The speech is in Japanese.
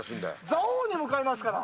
蔵王に向かいますから。